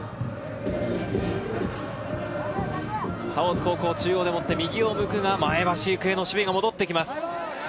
大津高校、中央で持って右を向くが、前橋育英の守備が戻ってきます。